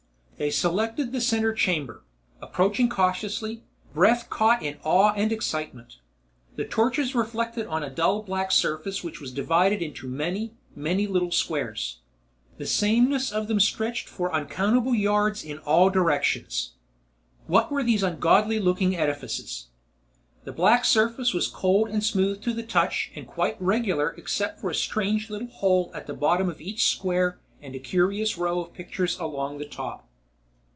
They selected the center chamber, approaching cautiously, breath caught in awe and excitement. The torches reflected on a dull black surface which was divided into many, many little squares. The sameness of them stretched for uncountable yards in all directions. What were these ungodly looking edifices? The black surface was cold and smooth to the touch and quite regular except for a strange little hole at the bottom of each square and a curious row of pictures along the top.